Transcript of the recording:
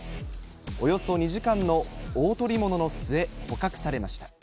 およそ２時間の大捕り物の末、捕獲されました。